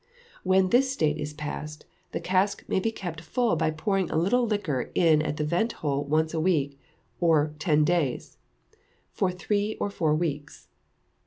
When this state is passed, the cask may he kept full by pouring a little liquor in at the vent hole once a week or ten days, for three or four weeks.